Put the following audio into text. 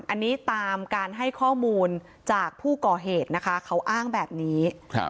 อันนี้ตามการให้ข้อมูลจากผู้ก่อเหตุนะคะเขาอ้างแบบนี้